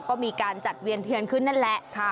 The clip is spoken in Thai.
ก็มีการจัดเวียนเทียนขึ้นนั่นแหละ